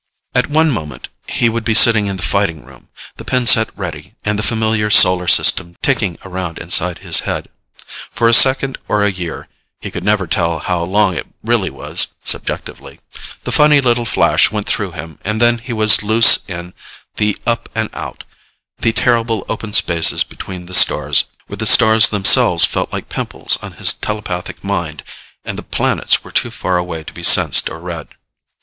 At one moment, he would be sitting in the Fighting Room, the pin set ready and the familiar Solar System ticking around inside his head. For a second or a year (he could never tell how long it really was, subjectively), the funny little flash went through him and then he was loose in the Up and Out, the terrible open spaces between the stars, where the stars themselves felt like pimples on his telepathic mind and the planets were too far away to be sensed or read.